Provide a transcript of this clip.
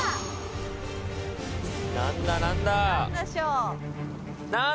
何だ何だ。